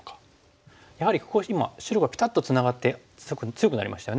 やはりここ今白がピタッとツナがってすごく強くなりましたよね。